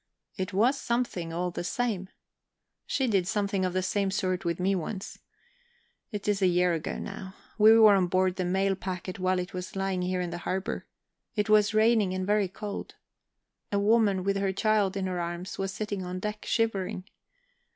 "It was something all the same. She did something of the same sort with me once. It's a year ago now. We were on board the mail packet while it was lying here in the harbour. It was raining, and very cold. A woman with a child in her arms was sitting on deck, shivering.